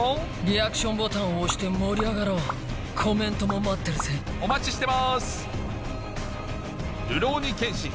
リアクションボタンを押して盛り上がろうコメントも待ってるぜお待ちしてます！